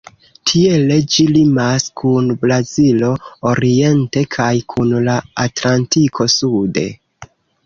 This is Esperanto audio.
Tiele ĝi limas kun Brazilo oriente kaj kun la Atlantiko sude.